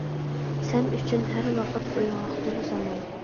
سەن ئۈچۈن ھەر ۋاقىت ئويغاقتۇر زامان.